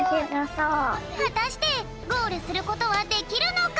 はたしてゴールすることはできるのか！？